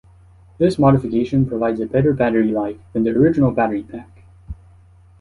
This modification provides a better battery life than the original battery pack.